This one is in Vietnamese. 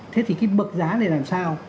thế thì cái bậc giá này làm sao